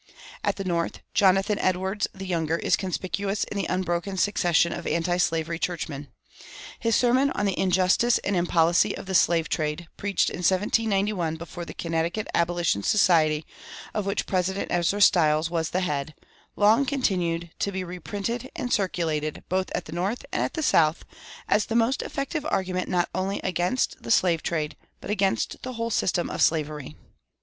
"[222:1] At the North, Jonathan Edwards the Younger is conspicuous in the unbroken succession of antislavery churchmen. His sermon on the "Injustice and Impolicy of the Slave trade," preached in 1791 before the Connecticut Abolition Society, of which President Ezra Stiles was the head, long continued to be reprinted and circulated, both at the North and at the South, as the most effective argument not only against the slave trade, but against the whole system of slavery.